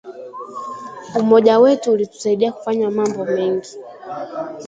Umoja wetu ulitusaidia kufanya mambo mengi